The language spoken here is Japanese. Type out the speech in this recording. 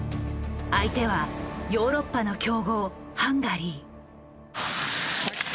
相手はヨーロッパの強豪ハンガリー。